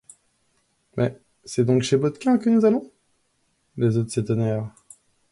Mais c'est donc chez Baudequin que nous allons?» Les autres s'étonnèrent.